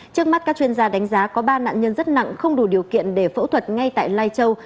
trước mắt các chuyên gia đánh giá có ba nạn nhân rất nặng không đủ điều kiện để phẫu thuật ngay tại lai châu